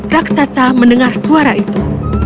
raksasa mendengar suara itu